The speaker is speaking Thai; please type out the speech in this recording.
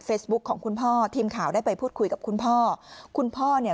ของคุณพ่อทีมข่าวได้ไปพูดคุยกับคุณพ่อคุณพ่อเนี่ย